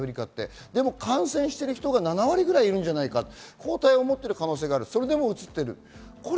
感染している人が７割ぐらいいるんじゃないか、抗体を持っている可能性があるが、うつっている。